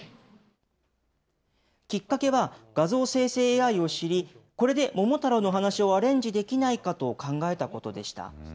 きっかけは、画像生成ＡＩを知り、これで桃太郎の話をアレンジできないかと考えたことでした。